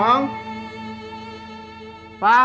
ya saya lagi konsentrasi